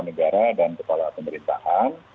negara dan kepala pemerintahan